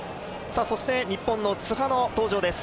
そして日本の津波の登場です。